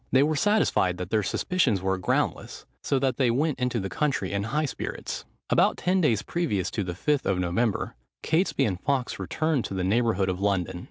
They were satisfied that their suspicions were groundless; so that they went into the country in high spirits. About ten days previous to the Fifth of November, Catesby and Fawkes returned to the neighbourhood of London.